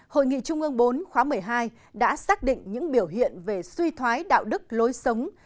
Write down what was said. hội nghị trung ương bốn khóa một mươi hai đã xác định những biểu hiện về suy thoái đạo đức lối sống